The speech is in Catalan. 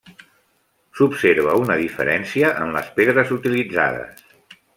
S'observa una diferència en les pedres utilitzades.